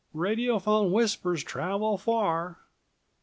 "Radiophone whispers travel far."